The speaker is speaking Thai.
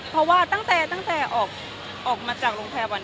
เพราะว่าตั้งแต่ออกมาจากโรงพยาบาล